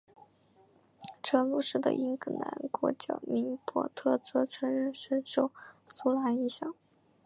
而车路士的英格兰国脚林柏特则承认深受苏拿影响。